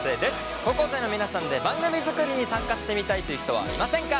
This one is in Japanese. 高校生の皆さんで番組作りに参加してみたいという人はいませんか？